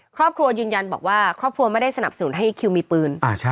ครอบครัวยืนยันบอกว่าครอบครัวไม่ได้สนับสนุนให้คิวมีปืน